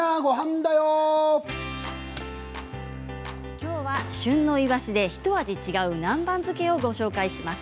きょうは旬のいわしでひと味違う南蛮漬けをご紹介します。